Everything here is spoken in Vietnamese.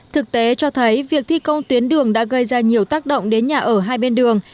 thực tế cho thấy việc thi công tuyến đường đã gây ra nhiều tác động đến nhà ở hai bên đường